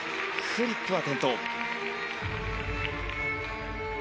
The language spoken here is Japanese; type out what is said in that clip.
フリップは転倒。